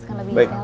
menjadi lawan nino